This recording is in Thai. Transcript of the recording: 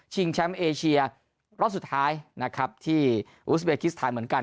แชมป์เอเชียรอบสุดท้ายนะครับที่อุสเบคิสไทยเหมือนกัน